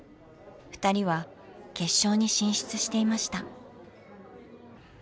ふたりは決勝に進出していました。